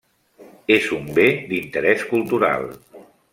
És un bé d'interès cultural.